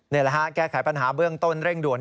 นี่แหละฮะแก้ไขปัญหาเบื้องต้นเร่งด่วน